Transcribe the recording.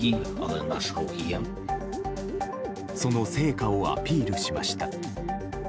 その成果をアピールしました。